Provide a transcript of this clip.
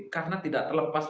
karena tidak terlepas